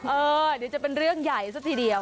เดี๋ยวจะเป็นเรื่องใหญ่ซะทีเดียว